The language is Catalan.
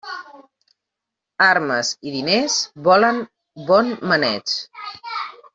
Armes i diners volen bon maneig.